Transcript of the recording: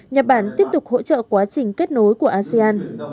nhật bản tiếp tục hỗ trợ quá trình kết nối của asean